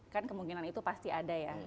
kan kemungkinan itu pasti ada ya